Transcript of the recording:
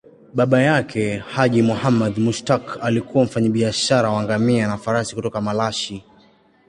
Baba yake, Haji Muhammad Mushtaq, alikuwa mfanyabiashara wa ngamia na farasi kutoka Malashi.